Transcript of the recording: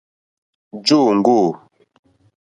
Jó òŋɡô.